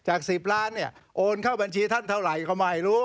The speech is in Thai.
๑๐ล้านเนี่ยโอนเข้าบัญชีท่านเท่าไหร่ก็ไม่รู้